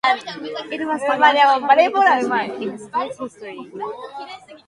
It was the largest public judgment in the state's history.